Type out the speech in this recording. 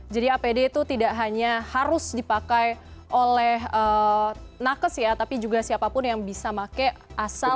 jadi apd itu tidak hanya harus dipakai oleh nakes ya tapi juga siapapun yang bisa pakai asal